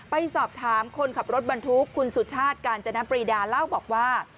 ไปสอบถามคนขับรถบรรทุกคุณสุชาติกาญจนปรีดาเล่าบอกว่า